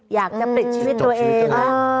อยากจะปลิดชีวิตตัวเองนะ